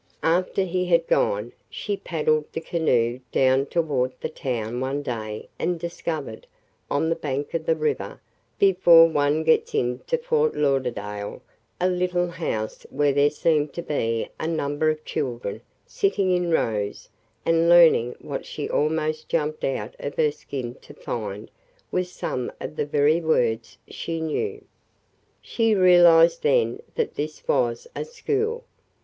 After he had gone, she paddled the canoe down toward the town one day and discovered, on the bank of the river, before one gets into Fort Lauderdale, a little house where there seemed to be a number of children sitting in rows and learning what she almost jumped out of her skin to find was some of the very words she knew. She realized then that this was a school.